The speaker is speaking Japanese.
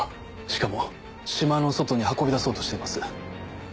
しかも島の外に運び出そうとしています。